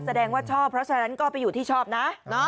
แสดงว่าชอบเพราะฉะนั้นก็ไปอยู่ที่ชอบนะ